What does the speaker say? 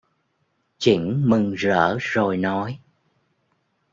Chỉnh mừng rỡ rồi nói